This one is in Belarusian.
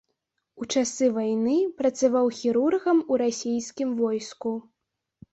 У часы вайны працаваў хірургам у расійскім войску.